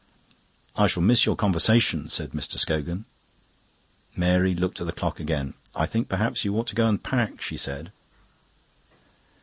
"I shall miss your conversation," said Mr. Scogan. Mary looked at the clock again. "I think perhaps you ought to go and pack," she said.